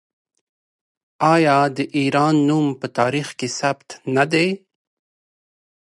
آیا د ایران نوم په تاریخ کې ثبت نه دی؟